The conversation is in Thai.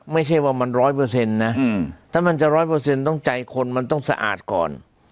ไม่ใช่ว่ามันร้อยเปอร์เซ็นต์นะถ้ามันจะร้อยเปอร์เซ็นต์ต้องใจคนมันต้องสะอาดก่อน